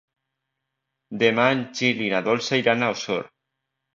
Demà en Gil i na Dolça iran a Osor.